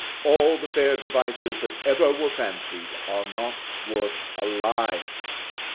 All the fair devices that ever were fancied, are not worth a lie.